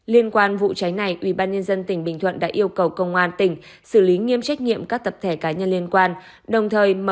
liên quan vụ cháy này ủy ban nhân dân tỉnh bình thuận đã yêu cầu công an tỉnh xử lý nghiêm trách nhiệm các tập thể cá nhân liên quan